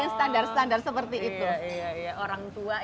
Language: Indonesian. standar standar seperti itu